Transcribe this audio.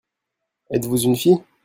Êtes-vous une fille ?